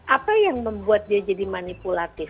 apa yang membuat dia jadi manipulatif